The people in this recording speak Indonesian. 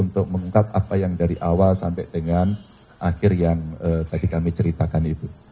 untuk mengungkap apa yang dari awal sampai dengan akhir yang tadi kami ceritakan itu